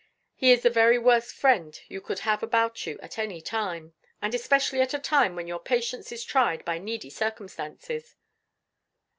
He is the very worst friend you could have about you at any time and especially at a time when your patience is tried by needy circumstances."